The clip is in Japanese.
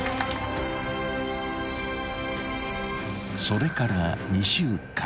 ［それから２週間］